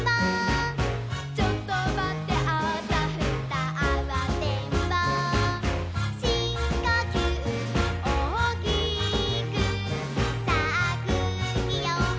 「ちょっとまってあたふたあわてんぼう」「しんこきゅうおおきくさあくうきをはいてすって」